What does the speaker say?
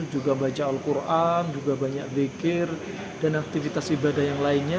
juga baca al quran juga banyak zikir dan aktivitas ibadah yang lainnya